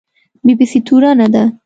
بي بي سي تورنه ده